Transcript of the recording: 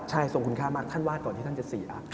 ใช่ทรงคุณค่ามากท่านวาดก่อนที่ท่านจะเสีย